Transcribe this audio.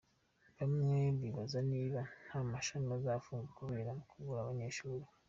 Bamwe bibaza niba nta mashami azafunga kubera kubura abanyeshuri.